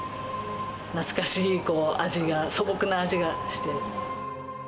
懐かしい味が、素朴な味がして。